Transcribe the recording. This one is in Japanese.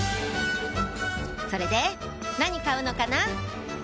それで何買うのかな？